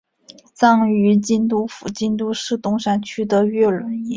葬于京都府京都市东山区的月轮陵。